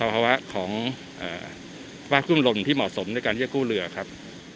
ภาวะของเอ่อสภาพคลื่นลมที่เหมาะสมในการเยอะกู้เรือครับ